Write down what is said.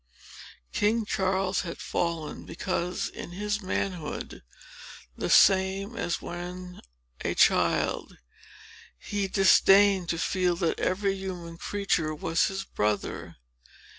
King Charles had fallen, because, in his manhood the same as when a child, he disdained to feel that every human creature was his brother.